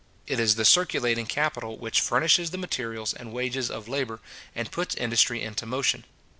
It is the circulating capital which furnishes the materials and wages of labour, and puts industry into motion.